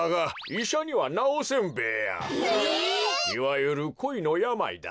いわゆるこいのやまいだ。